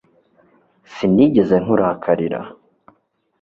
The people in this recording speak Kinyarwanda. Sinigeze nkurakarira